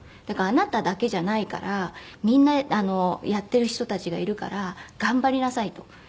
「だからあなただけじゃないからみんなやってる人たちがいるから頑張りなさい」と。